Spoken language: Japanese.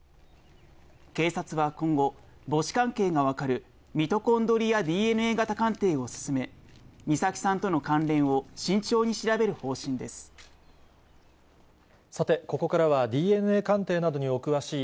警察は今後、母子関係が分かる、ミトコンドリアＤＮＡ型鑑定を進め、美咲さんとの関連を慎重に調さて、ここからはＤＮＡ鑑定などにお詳しい、